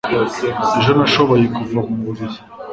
ejo nashoboye kuva mu buriri